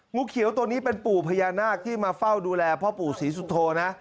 งูเขียวตัวนี้เป็นปู่พญานาคที่มาเฝ้าดูแลพ่อปู่ศรีสุโธนะ